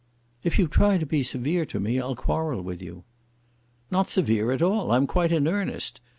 "If you try to be severe to me, I'll quarrel with you." "Not severe at all. I'm quite in earnest.